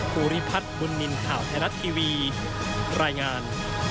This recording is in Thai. ภูริพัฒน์บุญนินทร์ข่าวไทยรัฐทีวีรายงาน